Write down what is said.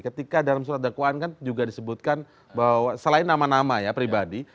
ketika dalam surat dakwaan kan juga disebutkan bahwa selain nama nama ya pribadi